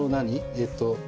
えっと。